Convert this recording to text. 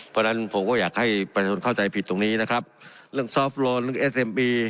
เพราะฉะนั้นผมก็อยากให้ประชาชนเข้าใจผิดตรงนี้นะครับเรื่องซอฟต์โลนเรื่องเอสเอ็มปี